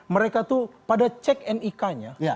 mereka itu pada cek nik nya